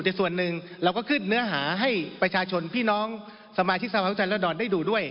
แต่ส่วนหนึ่งเราก็คืดเนื้อหาให้ประชาชนพี่น้องสมาชิกศาลภาคอึมทันย์ได้ดูด้วย